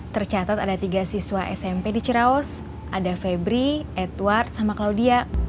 tercatat ada tiga siswa smp di ciraos ada febri edward sama claudia